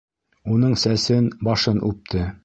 Уның сәсен, башын үпте.